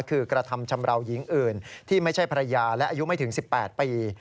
คือกระทำชำราวหญิงอื่นที่ไม่ใช่ภรรยาและอายุไม่ถึง๑๘ปี